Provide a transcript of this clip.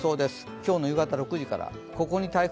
今日の夕方６時から。